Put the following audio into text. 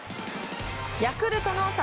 ヤクルトの侍